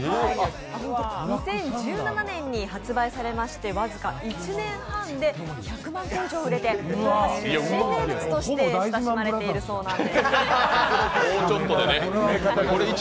２０１７年に発売されまして僅か１年半で１００万個以上売れて、豊橋市の新名物となっているそうです。